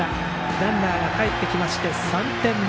ランナーがかえってきまして３点目。